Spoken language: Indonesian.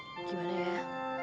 gimana ya mungkin kita harus